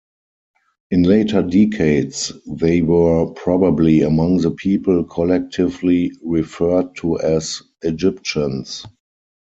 In later decades, they were probably among the people collectively referred to as "Egyptians".